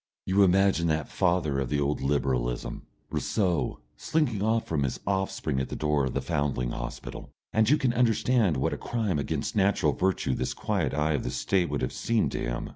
You imagine that father of the old Liberalism, Rousseau, slinking off from his offspring at the door of the Foundling Hospital, and you can understand what a crime against natural virtue this quiet eye of the State would have seemed to him.